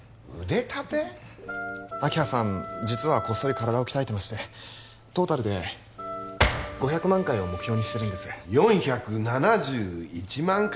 明葉さん実はこっそり体を鍛えてましてトータルで５００万回を目標にしてるんです４７１万回？